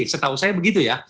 setahu saya begitu ya